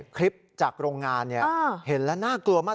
คลิปจากโรงงานเห็นแล้วน่ากลัวมาก